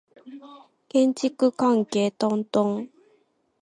建築関係トントン